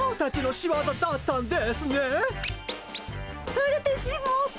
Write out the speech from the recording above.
バレてしもうた。